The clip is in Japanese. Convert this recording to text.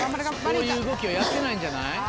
こういう動きはやってないんじゃない？